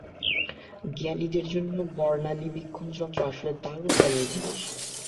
বিজ্ঞানীদের জন্য বর্ণালিবীক্ষণ যন্ত্র আসলে দারুণ কাজের জিনিস।